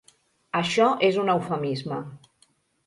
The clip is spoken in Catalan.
Això és un eufemisme.